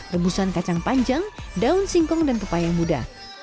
rebusan kacang panjang daun singkong dan pepayang muda